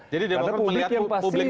jadi publik yang pasti